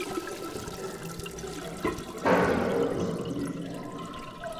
aa salama sana mwenzangu pendo pondo msikilizaji natumai tumekutana tena katika